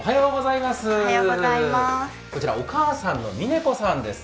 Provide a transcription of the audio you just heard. こちらお母さんの美音子さんです。